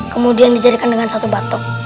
kemudian dijadikan dengan satu batuk